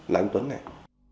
là anh tuấn này